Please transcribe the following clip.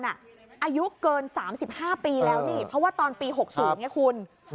อายุเกิน๓๕ปีแล้วนี่เพราะว่าตอนปี๖๐ไงคุณ